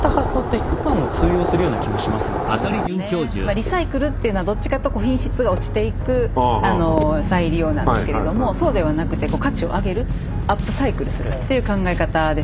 リサイクルっていうのはどっちかというと品質が落ちていく再利用なんですけれどもそうではなくても価値を上げるアップサイクルするっていう考え方ですよね。